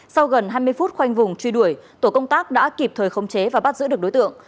sau gần hai mươi phút khoanh vùng truy đuổi tổ công tác đã kịp thời khống chế và bắt giữ được đối tượng